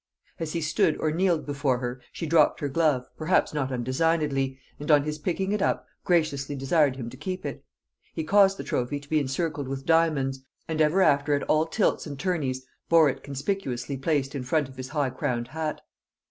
As he stood or kneeled before her, she dropped her glove, perhaps not undesignedly, and on his picking it up, graciously desired him to keep it. He caused the trophy to be encircled with diamonds, and ever after at all tilts and tourneys bore it conspicuously placed in front of his high crowned hat.